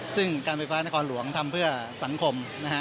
ซึ่งการไฟฟ้านครหลวงทำเพื่อสังคมนะฮะ